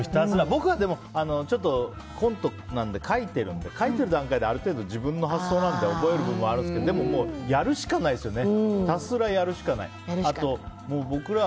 僕はコントなんで書いているので書いている段階である程度、自分の発想なので覚える部分はあるんですけどでも、やるしかないですよね。